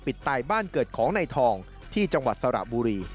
ตายบ้านเกิดของนายทองที่จังหวัดสระบุรี